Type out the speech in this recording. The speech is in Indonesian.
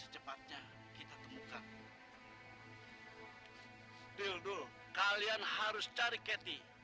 ketika kita berdua kita tidak bisa menemukan keti